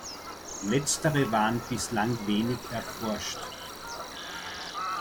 Letztere waren bislang wenig erforscht.